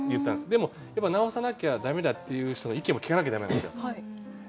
でも直さなきゃ駄目だっていう人の意見も聞かなきゃ駄目なんですよ。